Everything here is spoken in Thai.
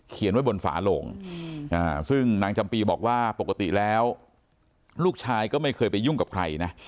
ไว้บนฝาโลงซึ่งนางจำปีบอกว่าปกติแล้วลูกชายก็ไม่เคยไปยุ่งกับใครนะ